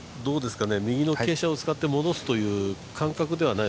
右の傾斜を使って戻すという感覚ではない？